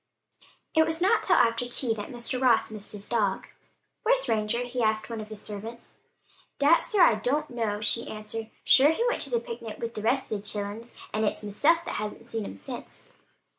It was not until after tea that Mr. Ross missed his dog. "Where's Ranger?" he asked of one of the servants. "Dade, sir, I don't know," she answered. "Sure he went to the picnic wid the rest of the childer, an' it's meself as hasn't seen him since."